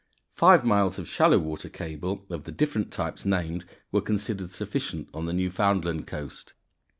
Five miles of shallow water cable, of the different types named, were considered sufficient on the Newfoundland coast.